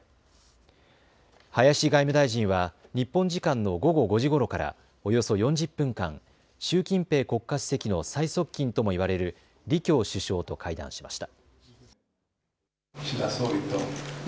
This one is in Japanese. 林外務大臣は日本時間の午後５時ごろからおよそ４０分間、習近平国家主席の最側近ともいわれる李強首相と会談しました。